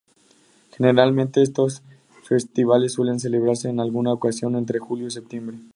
Generalmente estos festivales suelen celebrarse en alguna ocasión entre Julio y Septiembre.